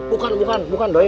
bukan bukan bukan doi